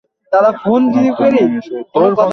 আর তুমি মিশরীয় রাজপুত্র নও।